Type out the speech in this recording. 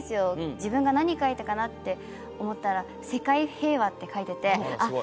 自分が何書いたかなって思ったら「世界平和」って書いててあっ